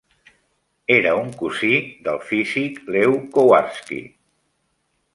Era un cosí del físic Lew Kowarski.